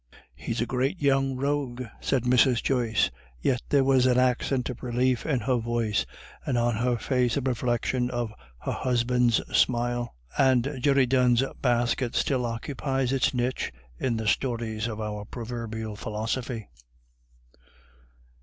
"He's a great young rogue," said Mrs. Joyce. Yet there was an accent of relief in her voice, and on her face a reflection of her husband's smile. And Jerry Dunne's basket still occupies its niche in the stores of our proverbial philosophy.